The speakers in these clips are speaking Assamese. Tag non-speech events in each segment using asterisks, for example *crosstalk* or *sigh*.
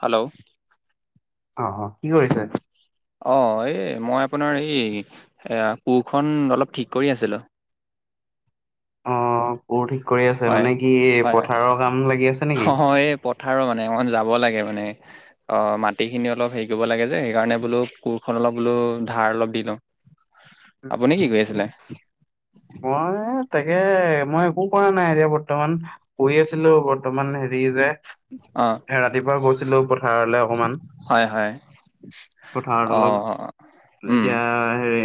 হেল্ল'। অঁ অঁ। অ এই মই আপোনাৰ এই, এ কোৰখন অলপ ঠিক কৰি আছিলো। অ' কৰ ঠিক। কৰি আছে হয়, মানে কি হয় -হয়। পথাৰৰ কাম লাগি আছে নেকি অ' এই পথাৰো মানে অ' যাব লাগে। মানে অ মাটি খিনি অলপ হেৰি কৰিব লাগে যে। সেইকাৰণে বোলো কোৰখন অলপ বোলো ধাৰ অলপ দি। *inaudible* উম্ আপুনি কি উম্, কৰি আছিলে মই এ তাকে মই একো কৰা নাই। নাই এতিয়া বৰ্তমান। শুই আছিলো বৰ্তমান হেৰি যে। অ ৰাতিপুৱা গৈছিলো পথাৰলে অকনমান। হয় হয় পথাৰত অ অলপ, উম এতিয়া হেৰি।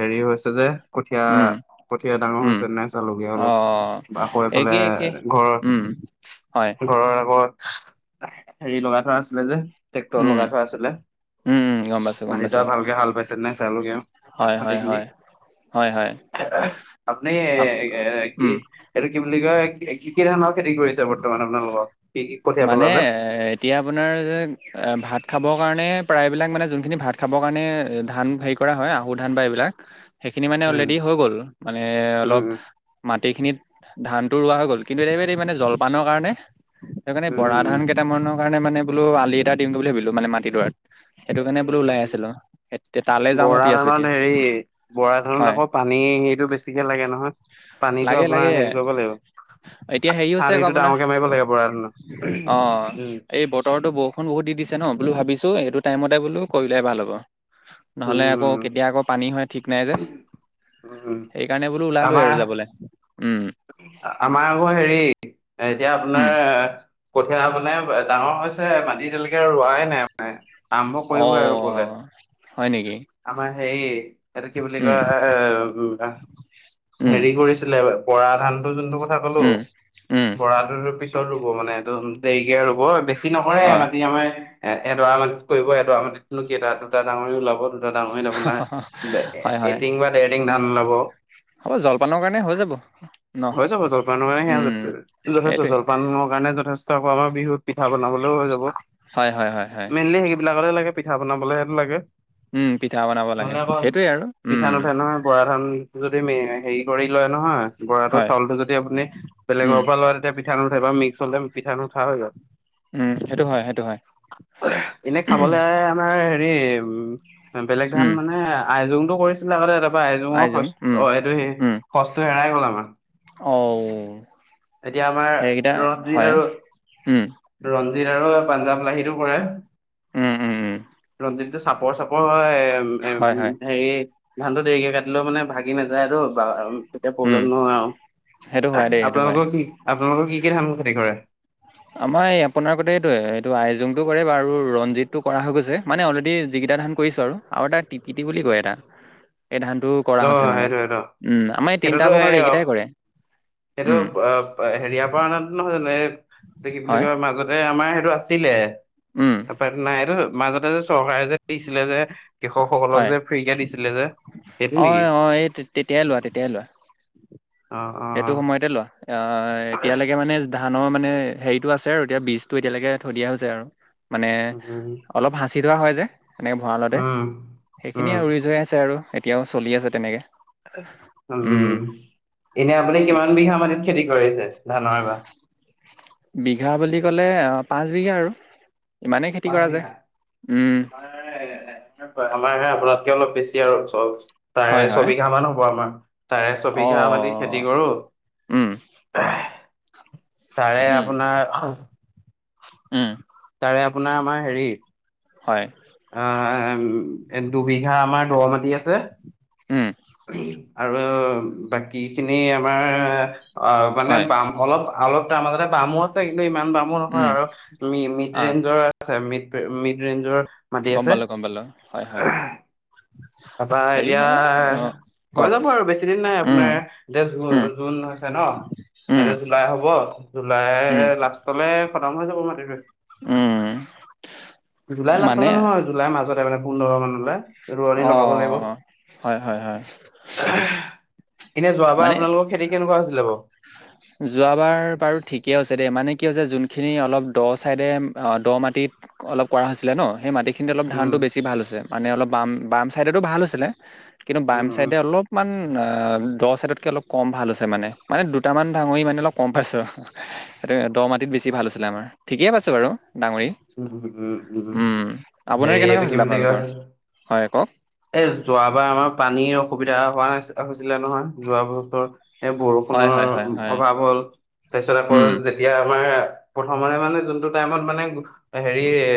হেৰি হৈছে যে কঠীয়া উম কঠীয়া ডাঙৰ উম হৈছে নে চালোগৈ অ অলপ। বা আকৌ এই ফালে একে একে ঘৰৰ, উম হয় ঘৰৰ আগত হেৰি লগাই থোৱা আছিলে যে ট্ৰেক্টৰ উম লগাই থোৱা আছিলে। উম উম গম পাইছো গম পাইছো মাটিডৰা ভালকে হাল বাইছে নাই চালোগে আৰু। হয়- হয়- মাটিখিনি হয়। হয় আপুনি এ আম- এ কি, উম এইটো কি বুলি কয় কি? কি ধানৰ খেতি কৰিছে বৰ্তমান আপোনালোকৰ কি কি কঠীয়া মানে, পেলালে? এ এতিয়া আপোনাৰ যে এ ভাত খাব কাৰণে প্ৰায়বিলাক মানে যোনখিনি ভাত খাবৰ কাৰণে ধান হেৰি কৰা হয় আহু ধান বা এইবিলাক। সেইখিনি মানে উম অলৰেডি হৈ গ'ল মানে অলপ উম মাটিখিনিত। ধানতটো ৰোৱা হৈ গ'ল কিন্তু *unintelligible* মানে জলপানৰ কাৰণে সেইকাৰণে উম বৰা উম ধান কেইটামানো। সেইকাৰনে মানে বোলো আলি এটা দিম বুলি ভাবিলো মানে মাটিডৰাত। সেইটো কাৰণে বোলো ওলাই উম আছিলো এ তালৈ যাম বৰা ভাবি আছো ধানত এতিয়া, হেৰি বৰা ধানত হয়। আকৌ পানী সেইটো বেছিকে লাগে নহয় পানীটো লাগে আপোনাৰ লাগে হেৰি কৰিব লাগিব। এতিয়া হেৰি হৈছে আক, অঁ আলিটো আপোনাৰ ডাঙৰকে মাৰিব লাগে বৰা ধানত। উম এই বতৰ-' তো বৰষুন বহুত দি দিছে ন বুলো ভাবিছোঁ এইটো টাইমতে বোলো কৰিলে ভাল হ'ব। নহলে আকৌ উম কেতিয়া আকৌ পানী হয় ঠিক নাই যে। উম সেইকাৰণে বোলো ওলালো আমাৰ আৰু যাবলৈ উম। আমাৰ আকৌ হেৰি এতিয়া আপোনাৰ উম এ কঠীয়া মানে ডাঙৰ হৈছে, মাটি এতিয়ালৈকে ৰোৱাই নাই। নাই আৰম্ভ অ কৰিবই আৰু গলে হয় নেকি আমাৰ হেৰি এইটো কি বুলি উম কয় এ উম হেৰি কৰিছিলে বৰা ধানটো যোনটো কথা কলো, উম উম বৰাটোতো পিছ ৰুব মানে সেইটো, দেৰিকে ৰুব, বেছি নকৰে অ মাটি আমাৰ এ এডৰা মাটিত কৰিব এডৰা মাটিতনো কেইটা দুটা ডাঙৰি ওলাব- দুটা ডাঙৰিত আপোনাৰ হয় হয় এটিং বা ডেৰটিং ধান ওলাব। হ'ব জলপানৰ কাৰণে হৈ যাব। ন হৈ যাব জলপানৰ কাৰণে উম সে যথেষ্ট সেইটোৱে জলপানৰ কাৰণে বিহুত পিঠা বনাবলৈও হৈ যাব, হয় হয় হয় হয় মেইনলি সেইবিলাকত লাগে পিঠা বনাবলৈ সেটো লাগে, উম পিঠা বনাব লাগে নহলে আকৌ সেইটোৱে আৰু পিঠা উম নুথে নহয় বৰা কাৰন যদি মেৰিয়াই হেৰি কৰি লয় নহয় বৰাটো হয় চাউলটো যদি আপুনি বেলেগৰ উম পৰা লয় তেতিয়া পিঠা নুঠে বা মিক্স হ'লে পিঠা নুঠা হৈ যায়। উম সেইটো হয় সেইটো হয় এহ, এনে খাবলৈ আমাৰ বেলেগ ধান উম মানে আইজংটো কৰিছিলে আগতে তাৰপৰা আইজংৰ আইজং সচ উম অ এইটো সচটো হেৰাই গল আমাৰ ' অঔ এতিয়া আমাৰ ৰঞ্জিত আৰু উম ৰঞ্জিত আৰু পাঞ্জাৱ লাহিটো কৰে। উম উম, যিটো চাপৰ চাপৰ হয় হয় উম হয় হেৰি ধানটো দেৰিকে কাটিলেও মানে ভাগ ভাঙি নাযায় আৰু বা উম তেতিয়া উম প্ৰব্লেম নহয় সেইটো হয় আৰু দেই সেইটো হয় আপোনালোকৰ কি আপোনালোকৰ কি কি ধানৰ খেতি কৰে। আমাৰ এই আপোনাৰ কতে এইটোয়ে এইটো আইজোংটো কৰে বাৰু ৰঞ্জিতটো কৰা হৈ গৈছে মানে অলৰেডী। তিতা ধান কৰিছো আৰু আৰু এটা টিকিটি বুলি কয় এটা। *inaudible* এই ধানটোও কৰা অ হৈছে মানে সেইটোটো উম আমাৰ এই তিনিটা সেইটোতো প্ৰকাৰ অ এইকেইটাই কৰে। সেইটো উম আব আ হেৰিয়াৰ পৰা অনাটো নহয় জানো এই কি বুলি হয় কয় মাজতে আমাৰ সেইটো আছিলে উম তাৰপৰাটো নাই এইটো, মাজতে যে চৰকাৰে যে দিছিলে যে কৃষকসকলক যে ফ্ৰী কে দিছিলে যে। সেইটো অ নেকি এই অ এই তেতিয়াই লোৱা তেতিয়াই লোৱা। অ অ সেইটো সময়তে লোৱা আহ এতিয়ালৈকে মানে ধা ধানৰ মানে হেৰিটো আছে আৰু এতিয়া বীজটো এতিয়ালৈকে থৈ দিয়া হৈছে আৰু মানে অ উম অলপ সাচ সিজোৱা হয় যে এনেকৈ ভঁৰালতে উম উম সেইখিনিয়ে উৰি যৈ আছে আৰু এতিয়াও চলি আছে তেনেকে। উম এনে আপুনি কিমান বিঘা মাটিত খেতি কৰিছে। ধান নহয় এবা, বিঘা বুলি ক'লে আহ পাঁচ বিঘা আৰু ইমানেই খেতি পাছ কৰা যায় বিঘা উম মানে এ আমাৰ হে আপোনাৰ, কে অলপ বেছি আৰু ছ তাৰে হয় হয় ছবিঘা মান হ'ব আমাৰ। তাৰে অ চবিঘা মাটি খেতি কৰো উম তাৰে উম আপোনাৰ উম। তাৰে আপোনাৰ আমাৰ হেৰি হয়। আহ দুবিঘা আমাৰ দ মাটি আছে। উম আৰু বাকী খিনি আমাৰ অ মানে হয় বাম অলপ অলপ তাৰ মাজতে বামো আছে। কিন্তু ইমান বামো নহয় উম আৰু মিড আহ ৰেঞ্জৰ আছে মিড মিড ৰেঞ্জৰ মাটি গম আছে। পালো গম পালো হয় হয় তপৰা হেৰি এতিয়া হয় অ হৈ কওক যাব আৰু বেছি দিন নাই উম আপোনাৰ দে উম জুন হৈছে ন উম এয়া জুলাই হ'ব, জুলাই উম লাষ্টলৈ উম *unintelligible* জুলাই মানে লাষ্টলে নহয় জুলাই মাজত মানে পোন্ধৰ মান হ'লে ৰোৱানি অ লগাব লাগিব। হয় হয় হয় এনে যোৱাবাৰ মানে আপোনালোকৰ খেতি কেনেকুৱা হৈছিলে বাৰু। যোৱাবাৰ বাৰু ঠিকেই হৈছে দেই মানে কি হৈছে যোনখিনি অলপ দ চাইডে দ মা মাটিত অলপ কৰা হৈছিলে ন সেই মাটি খিনি অলপ উম ধানতটো বেছি ভাল হৈছে। মানে অলপ বাম বাম চাইডতো ভাল হৈছিলে। কিন্তু বাম উম উম চাইডে অলপমান অ দহ চাইডতকে অলপ কম ভাল হৈছে মানে মানে দুটামান দাঙৰি মানে অলপ কম পাইছো সেইটো দ মাটিত বেছি ভাল আছিলে আমাৰ ঠিকেইে পাইছো বাৰু। ডাঙৰি উ-উ-উ, উম আপোনাৰ হেৰি কেনেকুৱা এইটো কি হৈছিলে বুলি কয় আপোনালোকৰ হয় কওক এ যোৱাবাৰ আমাৰ পানীৰ অসুবিধা হোৱা না হৈছিলে নহয় যোৱ বছৰ এই হয় হয় হয় বৰষুণৰ হয় অভাৱ হ'ল তাৰপিছত আকৌ উম যেতিয়া আমাৰ প্ৰথমতে মানে যোনটো টাইমত মানে হেৰি এ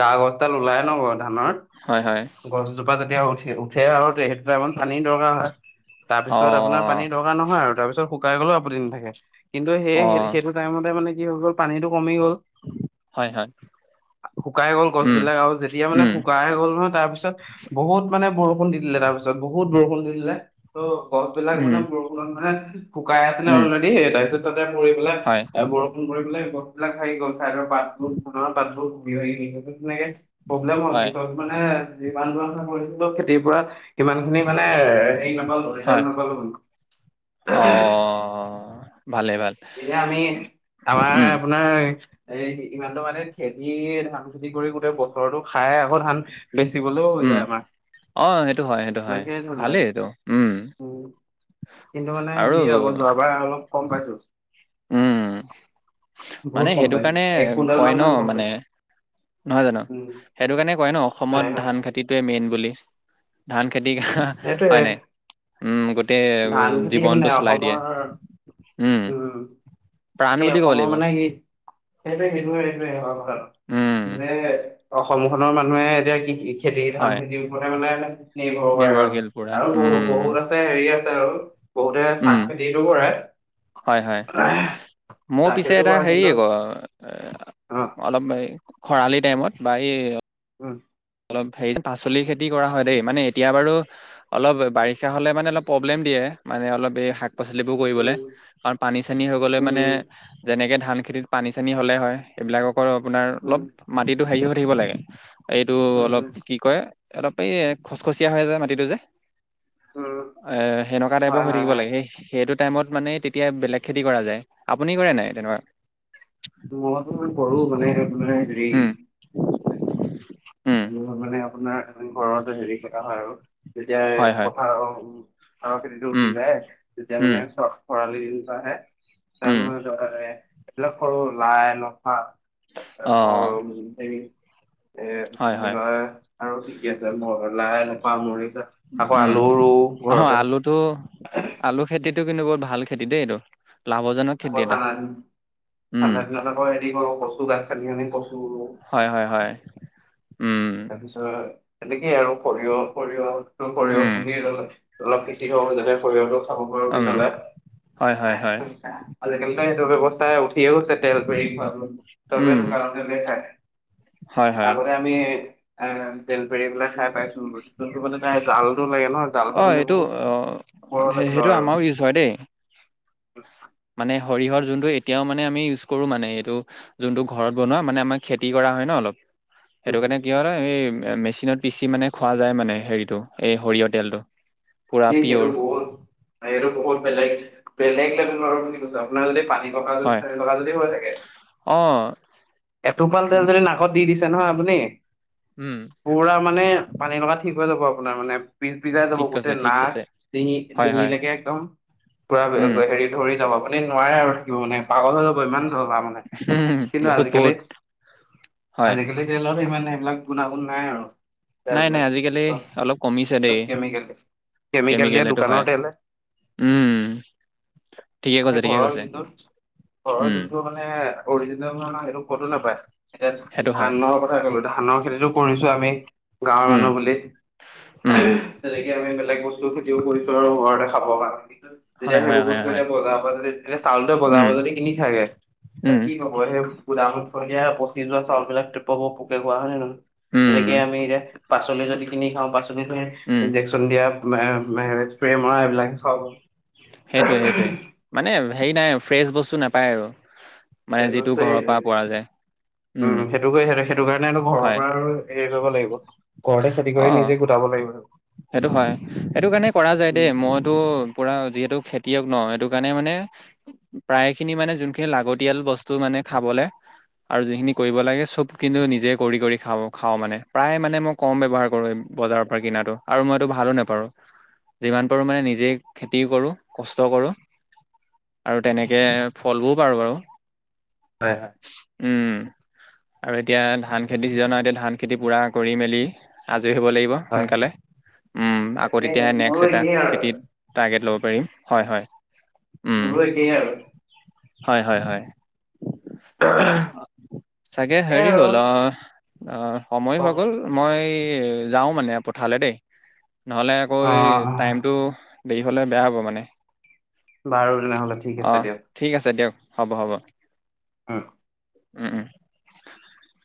গা গছডাল ওলাই ন ধানৰ হয় হয় গছজোপা যেতিয়া উঠি উঠে আৰু সেইটো টাইমত পানীৰ দৰকাৰ হয়। অ তাৰপিছত আপোনাৰ পানীৰ দৰকাৰ নহয় আৰু তাৰপিছত শুকাই গ'লেও আপত্তি নাথাকে। কিন্তু সেই অ সেইটো টাইমতে মানে কি হৈ গ'ল পানীটো কমি গ'ল। হয় হয়। শুকাই গ'ল গছ উম বিলাক আৰু যেতিয়া মানে উম শুকাই গ'ল নহয় তাৰ পিছত বহুত মানে বৰষুণ দি দিলে তাৰপিছত বহুত বৰষুণ দি দিলে ত' গছ বিলাক উম মানে বৰষুণত মানে শুকাই আছিলে উম অলৰেডি এই তাৰপিছত তাতে পৰি পেলাই হয় এ বৰষুণ মৰি পেলাই গছ বিলাক থাকি গ'ল চাইডৰ পাতবোৰ ধানৰ পাতবোৰ তেনেকে প্ৰব্লেম হয় পিছত মানে যিমান টো আশা কৰিছিলো খেতিৰ পৰা সিমান খিনি মানে হেৰি নাপালো ৰিজাল্ট হয় নাপালোঁ। অ ভালে ভাল এতিয়া আমি আমাৰ উম আপোনাৰ এই ইমানতো মানে খেতি ধান খেতি কৰি গোটেই বতৰটো খাই আকৌ ধান বেচিবলেও হৈ উম যায় আমাৰ অ সেইটো হয় সেইটো হয় ইমানকে ধান ভালেই লাগে এইটো উম উম। কিন্তু মানে আৰু হেৰি হ'ব যোৱাবাৰ অলপ কম পাইছিল। উম বহুত মানে কম সেইটো পাইছো কাৰণে এক কুইণ্টেল মান কয় ধান ন কম মানে পাইছো নহয় জানো উম সেইটো কাৰণে কয় ন হয় অসমত হয় ধান খেতি টোৱে মেইন বুলি ধান খেতি সেইটোয়ে হয় নাই উম গোটেই ধান খেতি মানে জীৱনটো চলাই দিয়ে অসমৰ উম প্ৰাণ সেই বুলি ক'ব অসমৰ লাগিব মানেই *unintelligible* সেইটোৱে সেইটোৱে উম মানে অসমখনৰ মানুহে এতিয়া কৃষি খেতি ধান হয় খেতিৰ ওপৰতে মানে নিৰ্ভৰ কৰে বাৰু নিৰ্ভৰশীল পুৰা আৰু বহু উম বহুত আছে হেৰি আছে আৰু বহুতে শাক খেতিটো কৰে হয়-হয় মোৰ চাহ পিছে খেতিটো এটা কৰে হেৰি কিন্তু আকৌ অ এ অলপ খৰালি টাইমত বা এই উম সেই পাচলি খেতি কৰা হয় দেই মানে এতিয়া বাৰু অলপ বাৰিষা হলে মানে অলপ প্ৰব্লেম দিয়ে মানে অলপ এই শাক পাচলিবোৰ কৰিবলে উম কাৰণ পানী চানী হৈ গলে মানে উম যেনেকে ধান খেতিত পানী চানী হ'লে হয় এইবিলাকৰো আপোনাৰ উম অলপ মাটিটো হেৰি হৈ থাকিব লাগে এই উম উম অলপ এই খচখচীয়া হৈ যায় মাটিটো যে উম এ সেনেকুৱা টাইপৰ হয় হৈ হয় থাকিব হয় লাগে সেই সেইটোত টাইমত মানে তেতিয়া বেলেগ খেতি কৰা যায় আপুনি কৰে নাই তেনেকুৱা? মইতো কৰঢ়ো মানে মানে হেৰি উম উম মানে আপোনাৰ ঘৰতে হেৰি কটা হয় আৰু তেতিয়াই হয় হয় পথাৰত আৰু খেতিটো উম উঠিলে তেতিয়া উম মানে খৰালি দিনটো আহে উম *unintelligible* এইবিলাক সৰু লাই নফা। অ' *unintelligible* এ হয় বুলি হয় কয় আৰু কি কি আছে ম লাই *unintelligible* আকৌ উম, আলু ৰোওঁ ঘৰতে। টো কিন্তু বৰ ভাল খেতি দেই এইটো লাভজনক আকৌ খেতি এটা ঠাণ্ডা উম ঠাণ্ডা *unintelligible* কচু গাত খানি খানি কচু। হয়, হয়-হয়। তাৰপিছত তেনেকেই আৰু সৰিয়হ সৰিয়হ। সৰিয়হ উম, পুমি অলপ সিচি থক যাতে সৰিয়হটো খাব পাৰোঁ উম, পিচলে। হয়, হয়, হয়। *unintelligible* তৱসস্থাই উঠিয়ে গয়চে তেল *unintelligible* উম, চবে টো গাওঁৰ টেলয়ে খায়। হয়, হয়। আগতে আমি আ ফৰি পেলাই খাই পাইচোন যোনটো মানে তাই জালটো লাগে নহয় জালটো অ, মানে এইটো বহুত অ, ওপৰলৈ সেইটো লয় আৰু আমাৰো ইউজ হয় দেই। *unintelligible* মানে সৰিয়হৰ যোনটো এতিয়াও মানে আমি ইউজ কৰো মানে এইটো যোনটো ঘৰত বনোৱা মানে আমাক খেতি কৰা হয় ন অলপ উম সেইটো হুম কাৰণে হুম। কি হয় এই মেচিনত পিচি মানে খোৱা যায় মানে হেৰিটো এই সৰিয়হ তেলটো। পুৰা সেই সেইটো পিয়ৰ বহুত সেইটো বহুত বেলেগ বেলেগ লেভেল আৰু বুলি কৈছো আপোনাৰ যদি পানী হয়। *unintelligible* যদি হৈ থাকে। অ, এটোপাল তেল যদি নাকত দি দিছে নহয় আপুনি উম, পুৰা মানে পানী লগা ঠিক হৈ যাব আপোনাৰ মানে পিজ পিজাই যাব ঠিক কৈছে, গোটেই ঠিক নাক কৈছে। ডিঙি হয়, হয়। ডিঙিলৈকে একদম পুৰা উম, হেৰি ধৰি যাব আপু আপুনি নোৱাৰে আৰু থাকিব মানে পাগল হৈ যাব ইমান *unintelligible* তাৰ মানে কিন্তু বহুত আজিকালি বহুত হয়। আজিকালি তেলত ইমানে এইবিলাক গুণাগুণ নাই আৰু নাই নাই আজিকালি *unintelligible* অলপ কমিছে চব দেই কেমিকেল। কেমিকেল দিয়া সেইটো দোকানৰ হয়। তেল। উম, ঠিকে কৈছে সেই ঠিকে ঘৰৰ কৈছে। যোনটো ঘৰৰ উম, যোনটো মানে অৰিজিনেল *unintelligible* ক'তো নাপায় এতিয়া সেইটো হয়। ধানৰ কথা ক'লো ধানৰ খেতিটো কৰিছো আমি গাঁৱৰ উম, মানুহ বুলি উম, তেনেকে আমি সেই বস্তুটো খেতিও কৰিছো আৰু ঘৰতে খাব কাৰণে তেতিয়া হয় হয় সেইবোৰ হয় বস্তু হয়। এতিয়া বজাৰ পৰা যদি তেতিয়া চাউলটোৱে বজাৰ উম, *unintelligible* যদি কিনি চাগে। *unintelligible* উম, *unintelligible* তিয়া পচি যোৱা চাউল বিলাক *unintelligible* পোকে খোৱা হয় নে নহয়, উম, তেনেকে আমি এতিয়া পাচলি যদি কিনি খাওঁ পাচলিখিনি উম, ইনজেকশ্যন দিয়া *unintelligible* স্প্ৰে মৰা সেই বিলাক খাব পাও সেইটোৱে সেইটোৱে মানে হেৰি নাই ফ্ৰেছ বস্তু নাপায় আৰু। মানে সেইটো যিটো ঘৰৰ সেইটোৱে। পৰা পোৱা যায়। উম, সেইটোকে সেইটো কাৰণেটো ঘৰৰ হয়। পৰা আৰু হেৰি কৰিব লাগিব। ঘৰতে খেতি কৰি অ', নিজে গোটাব লাগিব আৰু। সেইটো হয় সেইটো কাৰণে কৰা যায় দেই মইতো পুৰা যিহেতু খেতিয়ক ন সেইটো কাৰণে মানে প্ৰায় খিনি মানে যোনখিনি লাগতিয়াল বস্তু মানে খাবলে আৰু যিখিনি কৰিব লাগে চব কিন্তু নিজে কৰি কৰি খা খাওঁ মানে প্ৰায় মানে মই কম ব্যৱহাৰ কৰো বজাৰৰ পৰা কিনাাতো *unintelligible* আৰু মইতো ভালো নোপাৰো যিমান পাৰো মানে নিজে খেতি কৰো কষ্ট কৰো আৰু তেনেকে ফলবোৰ পাৰো বাৰু হয় হয় উম *unintelligible* আৰু এতিয়া ধান খেতি চিজননৰ এতিয়া ধান খেতি পুৰা কৰি মেলি আজি *inaudible* উ হয়। তাকেহে মোৰো একেই আৰু *inaudible* হয় *inaudible* উম ৰ'দ দিয়ে আৰু। হয় হয় হয় *unintelligible* অ চাগে হেৰি হ'ল অ -অ সময় হৈ অ', গল মই *unintelligible* এ যাও মানে পঠালে দেই *unintelligible* নহ'লে আকৌ টাইমটো দেৰি হ'লে বেয়া হ'ব মানে বাৰু *unintelligible* তেনেহ'লে ঠিক আছে আহ ঠিক আছে দিয়ক হ'ব হ'ব। অ উম উম *unintelligible*